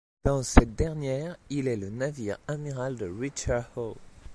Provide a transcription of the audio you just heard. Dans cette dernière, il est le navire amiral de Richard Howe.